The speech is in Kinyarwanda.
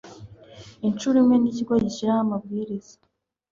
incuro imwe n Ikigo gishyiraho amabwiriza